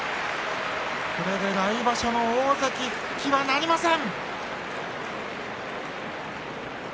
これで来場所の大関復帰はなりません。